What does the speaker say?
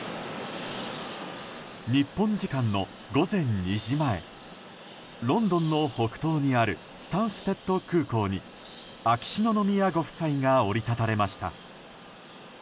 日本時間の午前２時前ロンドンの北東にあるスタンステッド空港に秋篠宮ご夫妻が降り立たれました。